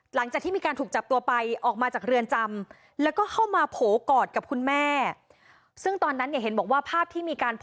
หลังจากที่มีการถูกจับตัวไปออกมาจากเรือนจำ